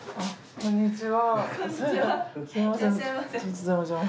こんにちは。